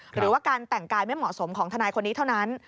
หรือว่าการแต่งกายไม่เหมาะสมของทนายคนนี้เท่านั้น